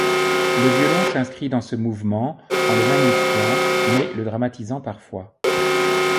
Le violon s'inscrit dans ce mouvement en le magnifiant, mais le dramatisant parfois.